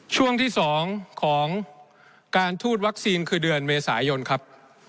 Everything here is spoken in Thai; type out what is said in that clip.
ช่วงที่๒ของการทูตวัคซีนคือเดือนเมษายนครับ